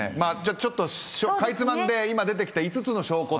ちょっとかいつまんで今出てきた５つの証拠を井上さん。